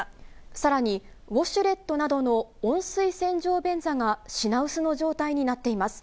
さらに、ウォシュレットなどの温水洗浄便座が品薄の状態になっています。